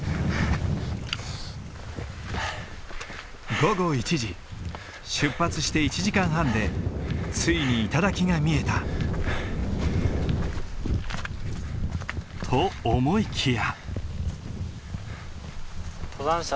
午後１時出発して１時間半でついに頂が見えた。と思いきや。